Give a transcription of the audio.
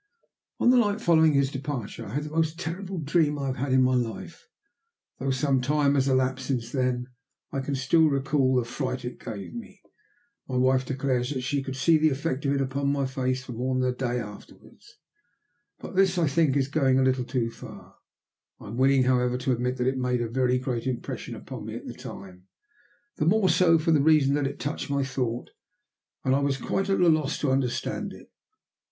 On the night following his departure, I had the most terrible dream I have had in my life. Though some time has elapsed since then, I can still recall the fright it gave me. My wife declares that she could see the effect of it upon my face for more than a day afterwards. But this, I think, is going a little too far. I am willing, however, to admit that it made a very great impression upon me at the time the more so for the reason that it touched my thought, and I was quite at a loss to understand it.